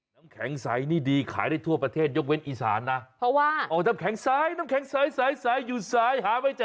น้ำแข็งใสนี่ดีขายได้ทั่วประเทศยกเว้นอีสานนะเพราะว่าโอ้น้ำแข็งซ้ายน้ำแข็งใสอยู่ซ้ายหาไม่เจอ